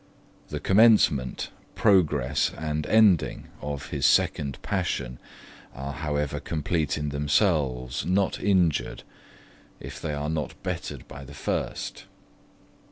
The commencement, progress, and ending of his second passion are however complete in themselves, not injured, if they are not bettered by the first.